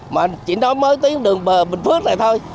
mà chỉ nói mới tới đường bờ bình phước này thôi